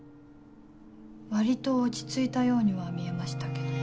割と落ち着いたようには見えましたけど。